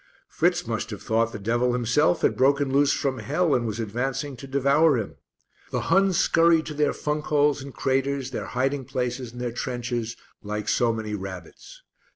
Fritz must have thought the devil himself had broken loose from hell and was advancing to devour him. The Huns scurried to their funk holes and craters, their hiding places, and their trenches like so many rabbits.